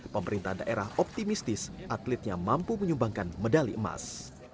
pemerintah daerah optimistis atletnya mampu menyumbangkan medali emas